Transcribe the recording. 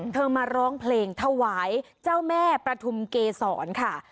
มาร้องเพลงถวายเจ้าแม่ประทุมเกษรค่ะ